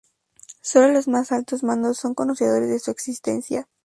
Sólo los más altos mandos son conocedores de su existencia.